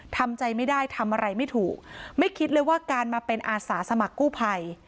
ทำใจไม่ได้ทำอะไรไม่ถูกไม่คิดเลยว่าการมาเป็นอาสาสมัครกู้ภัย